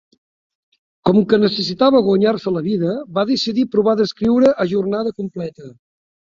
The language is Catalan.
Com que necessitava guanyar-se la vida, va decidir provar d'escriure a jornada completa.